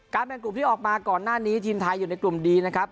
แบ่งกลุ่มที่ออกมาก่อนหน้านี้ทีมไทยอยู่ในกลุ่มดีนะครับ